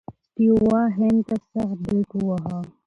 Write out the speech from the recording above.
سټیو وا هند ته سخت بیټ وواهه.